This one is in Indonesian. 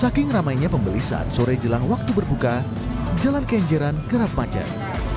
saking ramainya pembeli saat sore jelang waktu berbuka jalan kenjeran kerap macet